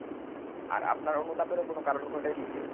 আর আপনার অনুতাপেরও কোনো কারণ ঘটে নি?